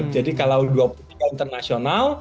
jadi kalau dua puluh tiga internasional